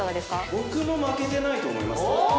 僕も負けてないと思いますね。